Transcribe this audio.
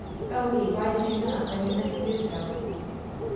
"Oh, Le, why did you not, when you meant to do so?"